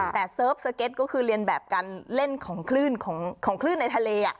แต่เซิร์ฟสเก็ตก็คือเรียนแบบการเล่นของคลื่นของคลื่นในทะเล